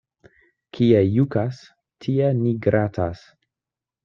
Kie jukas, tie ni gratas.